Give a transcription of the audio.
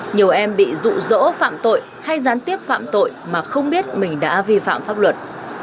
nhiều em bị rụ rỗ phạm tội hay gián tiếp phạm tội mà không biết mình đã vi phạm pháp luật